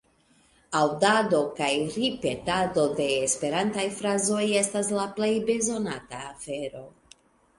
Aŭdado kaj ripetado de esperantaj frazoj estas la plej bezonata afero.